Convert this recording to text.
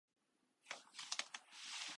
カラーテレビは画期的な発明品です。